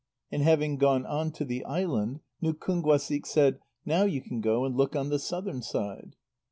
And having gone on to the island, Nukúnguasik said: "Now you can go and look on the southern side."